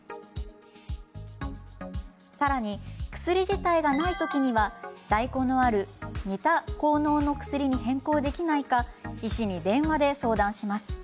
さらに、薬自体がない時には在庫のある似た効能の薬に変更できないか医師に電話で相談します。